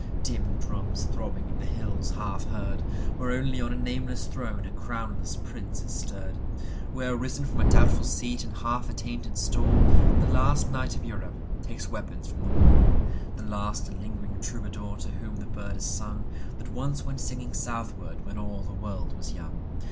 Dim drums throbbing, in the hills half heard, Where only on a nameless throne a crownless prince has stirred, Where, risen from a doubtful seat and half attainted stall, The last knight of Europe takes weapons from the wall, The last and lingering troubadour to whom the bird has sung, That once went singing southward when all the world was young.